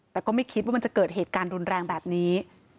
แต่ก็ไม่คิดว่ามันจะเกิดเหตุการณ์รุนแรงแบบนี้